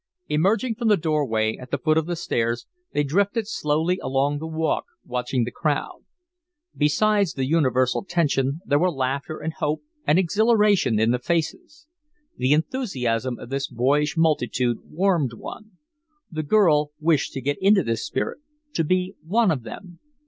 Emerging from the doorway at the foot of the stairs, they drifted slowly along the walk, watching the crowd. Besides the universal tension, there were laughter and hope and exhilaration in the faces. The enthusiasm of this boyish multitude warmed one. The girl wished to get into this spirit to be one of them.